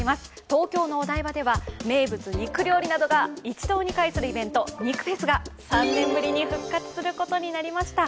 東京のお台場では名物肉料理などが、一堂に会するイベント肉フェスが３年ぶりに復活することになりました。